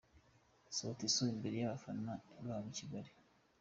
Sauti Sol imberer y'abafana babo i Kigali.